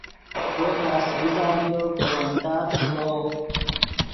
وو تس ریزہ ڤیو کہ ون تات موڑو